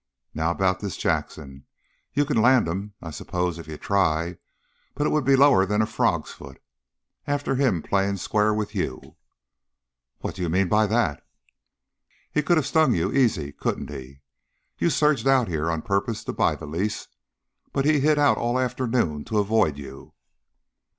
Now about this Jackson; you can land him, I s'pose, if you try, but it would be lower than a frog's foot, after him playing square with you." "What do you mean by that?" "He could have stung you, easy, couldn't he? You surged out here on purpose to buy the lease, but he hid out all afternoon to avoid you."